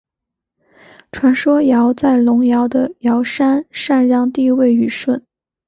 传说尧在隆尧的尧山禅让帝位予舜。